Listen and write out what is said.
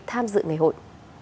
tham dự ngày hội